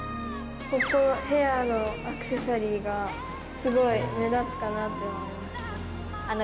ここのヘアのアクセサリーがすごい目立つかなって思いました。